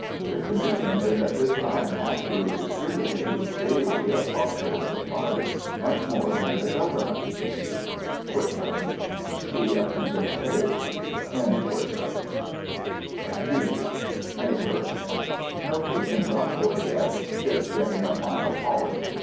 The Commission is at this time actually distributing daily of hospital supplies much more than the government. Footnote 2: See Appendix A. (B.) May 1st. No patients on board yet; ship getting a final polish.